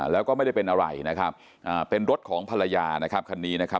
แล้วก็ไม่ได้เป็นอะไรนะครับเป็นรถของภรรยานะครับคันนี้นะครับ